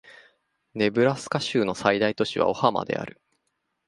ネブラスカ州の最大都市はオマハである